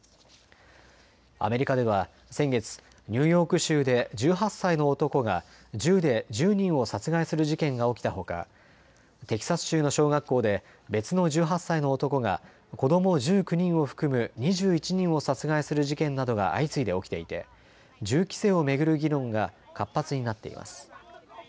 アメリカでは先月、ニューヨーク州で１８歳の男が銃で１０人を殺害する事件が起きたほかテキサス州の小学校で別の１８歳の男が子ども１９人を含む２１人を殺害する事件などが相次いで起きていて銃規制を巡る議論が活発になっています。